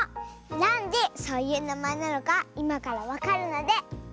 なんでそういうなまえなのかいまからわかるのでおたのしみに！